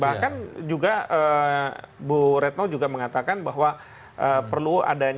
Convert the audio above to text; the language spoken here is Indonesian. bahkan juga bu retno juga mengatakan bahwa perlu adanya